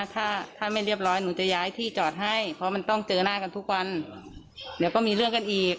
ถ้าถ้าไม่เรียบร้อยหนูจะย้ายที่จอดให้เพราะมันต้องเจอหน้ากันทุกวันเดี๋ยวก็มีเรื่องกันอีก